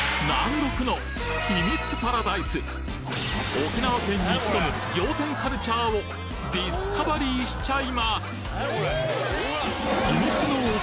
沖縄県に潜む仰天カルチャーをディスカバリーしちゃいます！